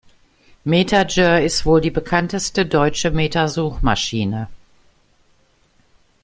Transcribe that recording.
MetaGer ist die wohl bekannteste deutsche Meta-Suchmaschine.